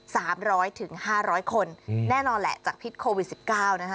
สามร้อยถึงห้าร้อยคนอืมแน่นอนแหละจากพิษโควิดสิบเก้านะคะ